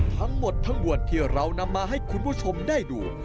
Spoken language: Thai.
ทั้งหมดทั้งมวลที่เรานำมาให้คุณผู้ชมได้ดู